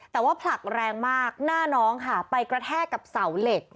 แต่ว่าผลักแรงมากหน้าน้องค่ะไปกระแทกกับเสาเหล็ก